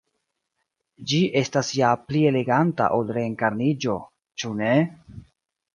Ĝi estas ja pli eleganta ol reenkarniĝo, ĉu ne?